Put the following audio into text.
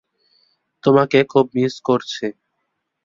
তোমাকে খুব মিস করছি।